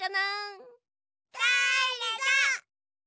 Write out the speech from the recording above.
だれだ？